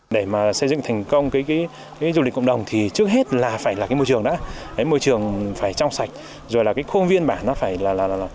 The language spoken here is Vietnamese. để xây dựng thành công du lịch cộng đồng thì trước hết là phải là môi trường đó môi trường phải trong sạch rồi là khuôn viên bản nó phải là